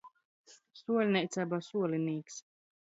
Suoļneica aba suolinīks.